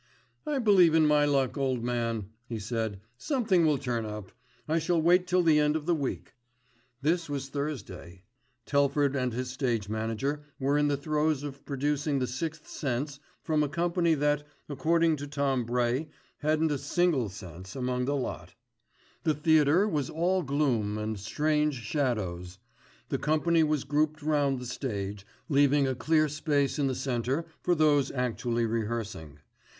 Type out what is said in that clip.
"I believe in my luck, old man," he said, "something will turn up. I shall wait till the end of the week." This was Thursday. Telford and his stage manager were in the throes of producing The Sixth Sense from a company that, according to Tom Bray, hadn't a single sense, among the lot. The theatre was all gloom and strange shadows. The company was grouped round the stage, leaving a clear space in the centre for those actually rehearsing.